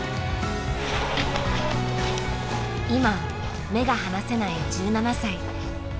今目が離せない１７歳。